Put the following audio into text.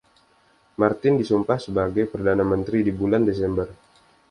Martin disumpah sebagai Perdana Menteri di bulan Desember.